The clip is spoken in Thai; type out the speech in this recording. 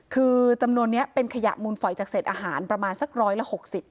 คือจำนวนนี้เป็นขยะมูลฝอยจากเศษอาหารประมาณสักร้อยละ๖๐